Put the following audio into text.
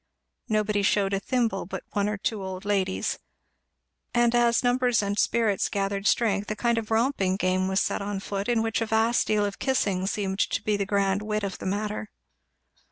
Nobody shewed a thimble but one or two old ladies; and as numbers and spirits gathered strength, a kind of romping game was set on foot in which a vast deal of kissing seemed to be the grand wit of the matter.